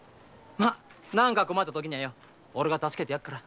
ま何か困ったときには俺が助けてやるから。